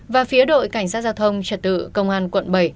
và phía đội cảnh sát giao thông trật tự công an quận bảy